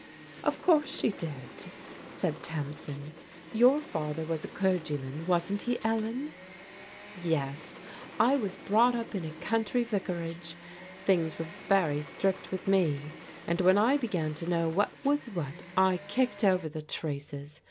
" Of course she did/' said Tamsin. " Your father was a clergyman, wasn't he, Ellen ?" "Yes. I was brought up in a country vicarage. Things were very strict with me, and when I began to know what was what, I kicked over the traces.